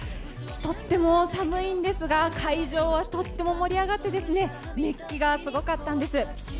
とっても寒いんですが、会場はとっても盛り上がって熱気がすごかったんです。